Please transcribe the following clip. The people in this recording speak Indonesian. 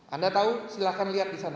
anda tahu silahkan lihat di sana